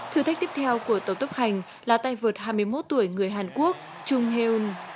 thử thách tiếp theo của tàu tốc hành là tay vợt hai mươi một tuổi người hàn quốc chung hae un